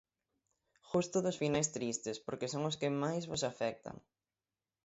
Gusto dos finais tristes, porque son os que máis vos afectan.